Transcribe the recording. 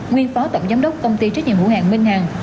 nguyên phó tổng giám đốc công ty trách nhiệm hữu hạng minh hàng